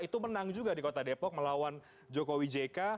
itu menang juga di kota depok melawan jokowi jk